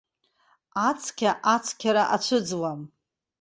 Ацқьа ацқьара ацәыӡуам.